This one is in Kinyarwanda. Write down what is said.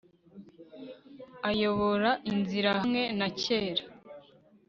ayobora inzira hamwe na kera